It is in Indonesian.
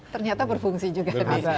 ternyata berfungsi juga